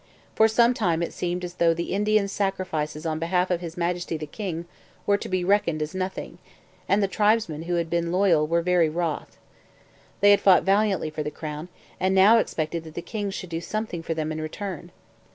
For some time it seemed as though the Indians' sacrifices on behalf of His Majesty the King were to be reckoned as nothing, and the tribesmen who had been loyal were very wroth. They had fought valiantly for the crown, and now expected that the king should do something for them in return.